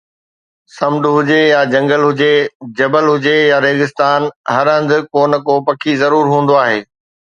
سمنڊ هجي يا جنگل هجي، جبل هجي يا ريگستان، هر هنڌ ڪو نه ڪو پکي ضرور هوندو آهي.